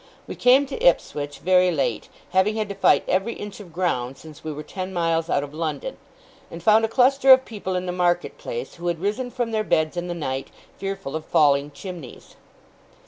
We came to Ipswich very late, having had to fight every inch of ground since we were ten miles out of London; and found a cluster of people in the market place, who had risen from their beds in the night, fearful of falling chimneys.